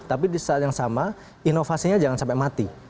tapi di saat yang sama inovasinya jangan sampai mati